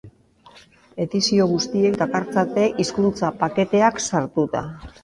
Edizio guztiek dakartzate hizkuntza paketeak sartuta.